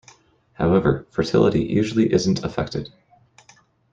However, fertility usually isn't affected.